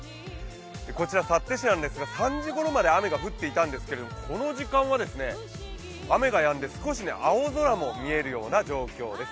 こちら幸手市なんですけど、３時ごろまで雨が降っていたんですけど、この時間は雨がやんで少し青空も見えるような状況です。